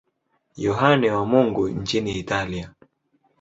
Yohane wa Mungu nchini Italia.